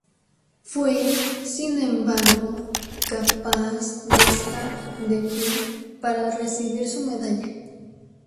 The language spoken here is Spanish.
Fue, sin embargo, capaz de estar de pie para recibir su medalla.